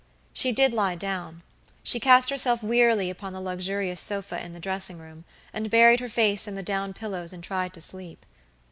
She did lie down; she cast herself wearily upon the luxurious sofa in the dressing room, and buried her face in the down pillows and tried to sleep.